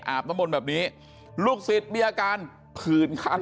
บนแบบนี้ลูกศิษย์มีอาการผื่นคัน